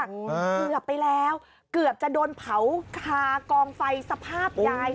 เกือบไปแล้วเกือบจะโดนเผาคากองไฟสภาพยาย